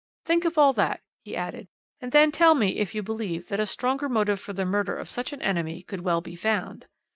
"Think of all that," he added, "and then tell me if you believe that a stronger motive for the murder of such an enemy could well be found."